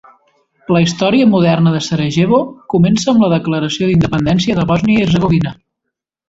La història moderna de Sarajevo comença amb la declaració d'independència de Bòsnia i Hercegovina.